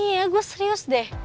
iya gua serius deh